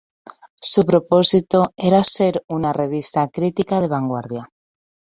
Su propósito era ser una revista crítica de vanguardia.